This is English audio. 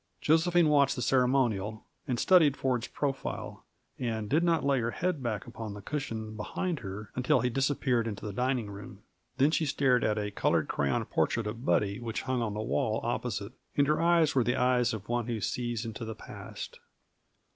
Josephine watched the ceremonial, and studied Ford's profile, and did not lay her head back upon the cushion behind her until he disappeared into the dining room. Then she stared at a colored crayon portrait of Buddy which hung on the wall opposite, and her eyes were the eyes of one who sees into the past.